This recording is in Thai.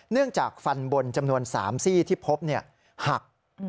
จากฟันบนจำนวน๓ซี่ที่พบหัก